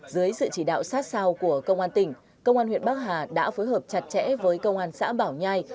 dưới sự chỉ đạo sát sao của công an tỉnh công an huyện bắc hà đã phối hợp chặt chẽ với công an xã bảo nhai